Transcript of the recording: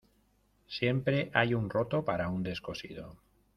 Siempre hay un roto para un descosido.